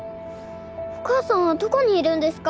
お母さんはどこにいるんですか？